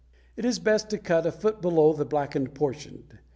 It is best to cut a foot below the blackened portion.